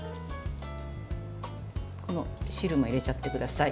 この汁も入れちゃってください。